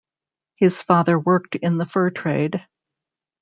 His father worked in the fur trade.